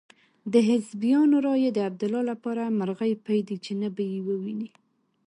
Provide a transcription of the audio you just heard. د حزبیانو رایې د عبدالله لپاره مرغۍ پۍ دي چې نه به يې وویني.